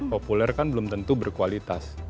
populer kan belum tentu berkualitas